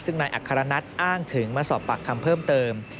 ซึ่งนายอัครนัทอ้างถึงมาสอบปากคำเพิ่มเติม